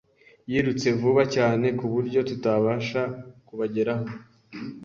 Yirutse vuba cyane kuburyo tutabasha kubageraho.